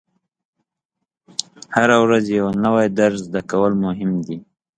هره ورځ یو نوی درس زده کول مهم دي.